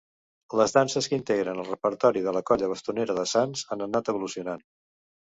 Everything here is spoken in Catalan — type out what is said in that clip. Les danses que integren el repertori de la Colla Bastonera de Sants han anat evolucionant.